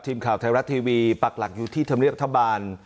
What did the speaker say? ทีมข่าวไทยรัฐทีวีปักหลักอยู่ที่ธรรมเนียบรัฐบาล